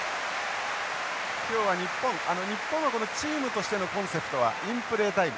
今日は日本はこのチームとしてのコンセプトはインプレータイム。